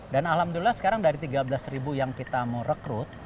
dan alhamdulillah sekarang dari tiga belas ribu yang kita mau rekrut